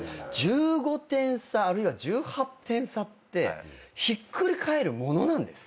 １５点差あるいは１８点差ってひっくり返るものなんですか？